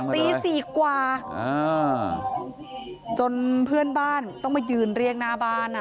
ตีสี่กว่าจนเพื่อนบ้านต้องมายืนเรียกหน้าบ้านอ่ะ